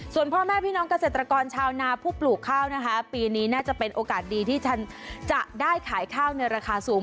ส่วนพ่อแม่พี่น้องเกษตรกรชาวนาผู้ปลูกข้าวนะคะปีนี้น่าจะเป็นโอกาสดีที่ฉันจะได้ขายข้าวในราคาสูง